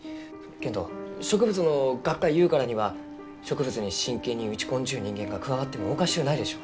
けんど植物の学会ゆうからには植物に真剣に打ち込んじゅう人間が加わってもおかしゅうないでしょう。